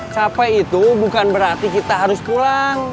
capek itu bukan berarti kita harus pulang